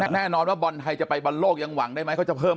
แน่นอนว่าบอลไทยจะไปบอลโลกยังหวังได้ไหมเขาจะเพิ่ม